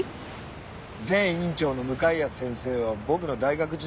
前院長の向谷先生は僕の大学時代の恩師なんです。